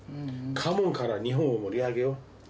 花門から日本を盛り上げよう。